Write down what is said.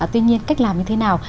tuy nhiên cách làm như thế nào